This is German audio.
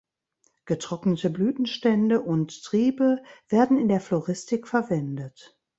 Getrocknete Blütenstände und Triebe werden in der Floristik verwendet.